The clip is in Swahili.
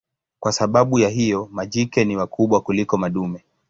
Kwa sababu ya hiyo majike ni wakubwa kuliko madume.